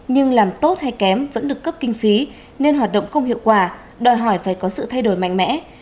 nhưng làm tốt hay kém vẫn được cấp kinh phí nên hoạt động không hiệu quả đòi hỏi phải có sự thay đổi mạnh mẽ